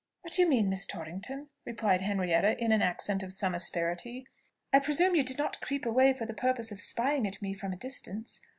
"What do you mean, Miss Torrington?" replied Henrietta, in an accent of some asperity. "I presume you did not creep away for the purpose of spying at me from a distance?"